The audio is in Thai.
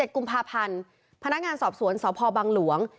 ๑กุมภาพันธ์พนักงานสอบสวนสพบังหลวง